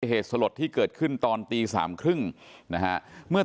เหตุสลดที่เกิดขึ้นตอนตีสามครึ่งนะฮะเมื่อ